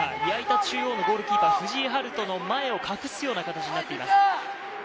矢板中央のゴールキーパー・藤井陽登の前を隠すような感じになっています。